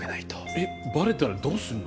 えバレたらどうすんの？